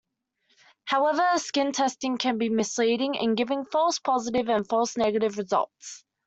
However, skin testing can be misleading in giving false positive and false negative results.